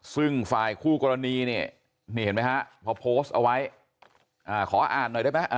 ซึ่งฝ่ายคู่กรณีเนี่ยนี่เห็นไหมฮะพอโพสต์เอาไว้ขออ่านหน่อยได้ไหม